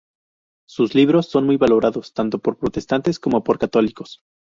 Sus libros son muy valorados tanto por protestantes como por católicos.